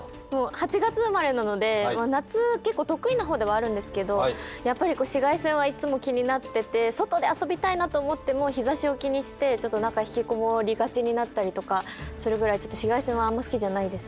８月生まれなので夏結構得意なほうではあるんですけどやっぱり紫外線はいつも気になってて外で遊びたいなと思っても日ざしを気にしてちょっととかするぐらい紫外線はあんま好きじゃないです。